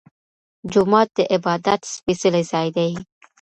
جومات د عبادت سپيڅلی ځای دی.